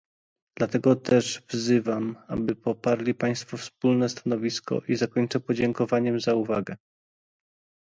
Dlatego też wzywam, aby poparli państwo wspólne stanowisko i zakończę podziękowaniem za uwagę